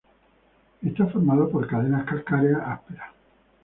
Está formado por cadenas calcáreas ásperas.